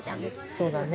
そうだね。